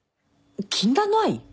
禁断の愛？